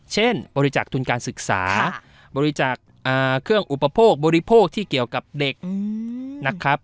บริจาคทุนการศึกษาบริจาคเครื่องอุปโภคบริโภคที่เกี่ยวกับเด็กนะครับ